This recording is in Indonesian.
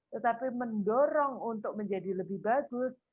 tetapi mendorong untuk menjadi lebih bagus